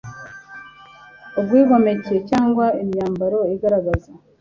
ubwigomeke cyangwa imyambaro igaragaza